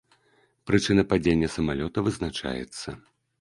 Прычына падзення самалёта вызначаецца.